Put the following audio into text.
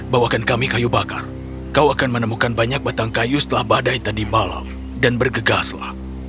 bawakan kami kayu bakar kau akan menemukan banyak batang kayu setelah badai tadi malam dan bergegaslah